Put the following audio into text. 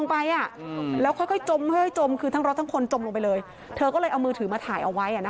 ไม่ค่ะเพราะว่าหนูมารถลงไปแล้วแล้วเห็นรถล้อยอยู่ช่วงตรงใต้สะพาน